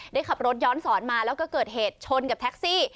ได้ขับรถย้อนสอนมาแล้วก็เกิดเหตุชนกับแท็กซี่